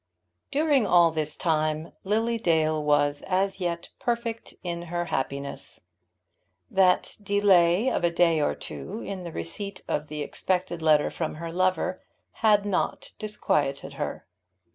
During all this time Lily Dale was as yet perfect in her happiness. That delay of a day or two in the receipt of the expected letter from her lover had not disquieted her.